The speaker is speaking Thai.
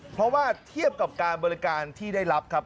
เพราะว่าเทียบกับการบริการที่ได้รับครับ